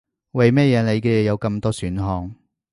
為乜嘢你嘅有咁多選項